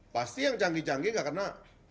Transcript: pasti yang canggih canggih nggak kena